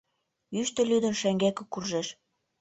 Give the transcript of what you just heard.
Йӱштӧ лӱдын шеҥгеке куржеш.